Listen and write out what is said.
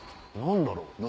何だろう？